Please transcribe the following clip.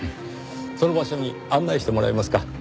その場所に案内してもらえますか？